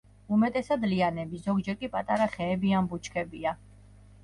უმეტესად ლიანები, ზოგჯერ კი პატარა ხეები ან ბუჩქებია.